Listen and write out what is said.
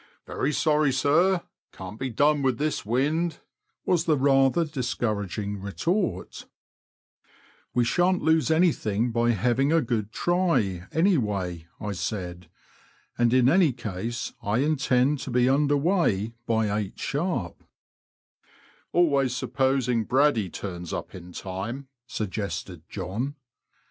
Very sorry, sir ; can't be done with this wind," was the rather discouraging retort. " We shan't lose anything by having a good try, any Digitized by VjOOQIC NOBWICH TO LOWESTOFT. U way," I said, and in any case I intend to be under weigh by eight sharp." " Always supposing Braddy turns up in time, suggested John.